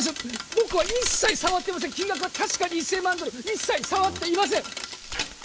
僕は一切触ってません金額は確かに１千万ドル一切触っていません